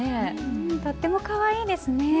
うんとってもかわいいですね！